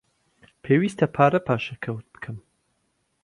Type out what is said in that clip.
پێویستە پارە پاشەکەوت بکەم.